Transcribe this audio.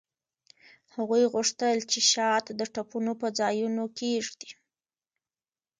هغوی غوښتل چې شات د ټپونو په ځایونو کیږدي